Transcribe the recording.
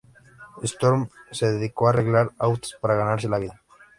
Storm se dedicó a arreglar autos para ganarse la vida.